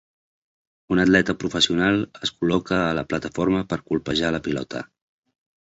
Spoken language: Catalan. Un atleta professional es col·loca a la plataforma per colpejar la pilota.